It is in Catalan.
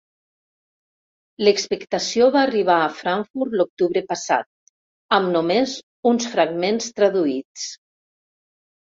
L'expectació va arribar a Frankfurt l'octubre passat, amb només uns fragments traduïts.